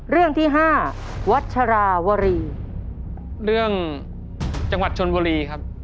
เรื่องที่ห้าวัชราวรีเรื่องจังหวัดชนบุรีครับ